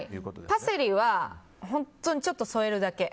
パセリは本当にちょっと添えるだけ。